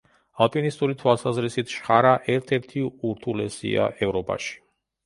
ალპინისტური თვალსაზრისით, შხარა ერთ-ერთი ურთულესია ევროპაში.